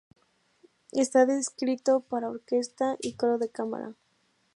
Está escrito para orquesta y coro de cámara.